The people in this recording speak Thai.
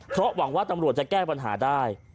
เพราะหวังว่าตำรวจจะแก้ปัญหาได้